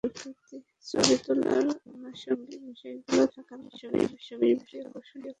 ছবি তোলার আনুষঙ্গিক বিষয়গুলো থাকার পাশাপাশি ছবির বিষয়বস্তুও আকর্ষণীয় হওয়া প্রয়োজন।